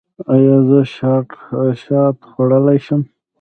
ایا زه شات خوړلی شم؟